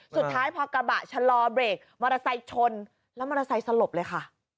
สุดท้ายพอกระบะชะลอเบรก